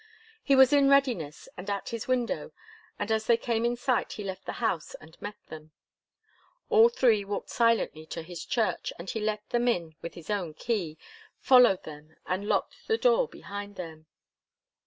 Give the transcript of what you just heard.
He was in readiness, and at his window, and as they came in sight he left the house and met them. All three walked silently to his church, and he let them in with his own key, followed them and locked the door behind them.